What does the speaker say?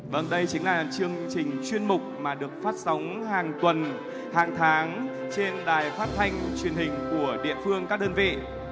vâng đây chính là chương trình chuyên mục mà được phát sóng hàng tuần hàng tháng trên đài phát thanh truyền hình của địa phương các đơn vị